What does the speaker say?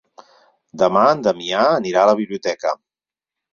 Demà en Damià anirà a la biblioteca.